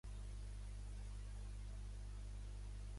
I a d'altres expressions de follia.